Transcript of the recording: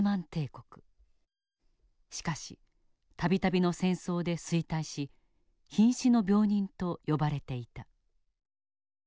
しかし度々の戦争で衰退し瀕死の病人と呼ばれていた。